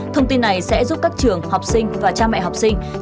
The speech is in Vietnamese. thông tin này sẽ giúp các trường học sinh và cha mẹ học sinh